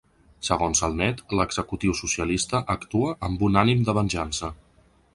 Segons el nét, l’executiu socialista actua ‘amb un ànim de venjança’.